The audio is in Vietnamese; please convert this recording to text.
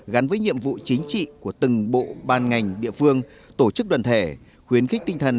gắn với nhiệm vụ chính trị của từng bộ ban ngành địa phương tổ chức đoàn thể khuyến khích tinh thần